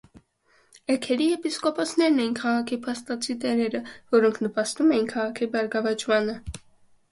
Էգերի եպիսկոպոսներն էին քաղաքի փաստացի տերերը, որոնք նպաստում էին քաղաքի բարգավաճմանը։